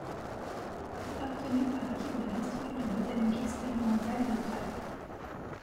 Obtenue par l'équipe de l'Institut de botanique expérimentale de Prague.